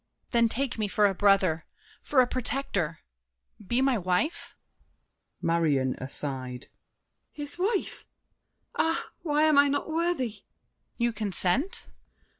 DIDIER. Then take me for a brother, For a protector—be my wife? MARION (aside). His wife! Ah, why am I not worthy? DIDIER. You consent?